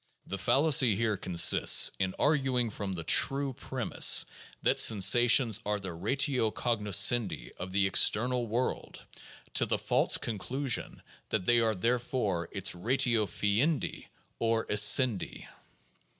The fallacy here consists in arguing from the true premise that sen sations are the ratio cognoscendi of the external world, to the false conclusion that they are therefore its ratio fiendi or essendi.